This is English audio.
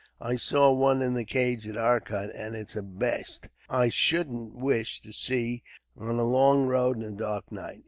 I saw one in a cage at Arcot, and it's a baste I shouldn't wish to see on a lone road on a dark night.